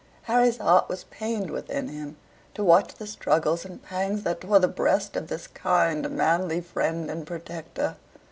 Harry's heart was pained within him, to watch the struggles and pangs that tore the breast of this kind, manly friend and protector.